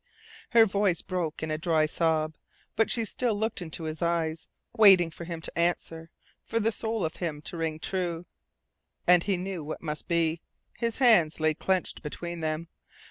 Her voice broke in a dry sob; but she still looked into his eyes, waiting for him to answer for the soul of him to ring true. And he knew what must be. His hands lay clenched between them.